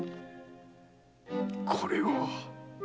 これは！